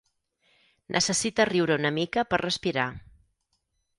Necessita riure una mica per respirar.